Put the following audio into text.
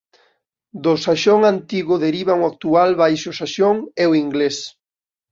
Do saxón antigo derivan o actual baixo saxón e o inglés.